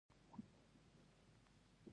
افغانستان د بېلابېلو ډولونو له زراعت څخه ډک دی.